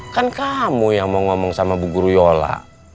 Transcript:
kan kamu yang mau ngomong sama bu guru yola